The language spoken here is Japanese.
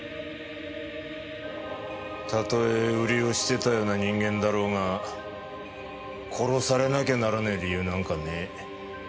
たとえウリをしてたような人間だろうが殺されなきゃならねえ理由なんかねえ。